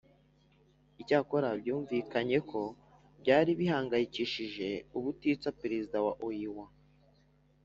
icyakora byumvikanye ko ibyari bihangayikishije ubutitsa perezida wa oua